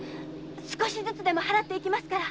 少しずつでも払っていきますから。